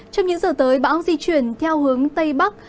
trong những giờ tới bão di chuyển theo hướng tây bắc